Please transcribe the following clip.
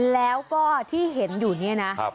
แล้วก็ที่เห็นอยู่เนี่ยนะ